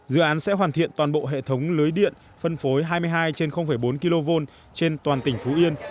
dự án sẽ hoàn thiện toàn bộ hệ thống lưới điện phân phối hai mươi hai trên bốn kv trên toàn tỉnh phú yên